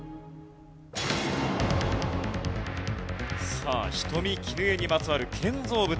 さあ人見絹枝にまつわる建造物。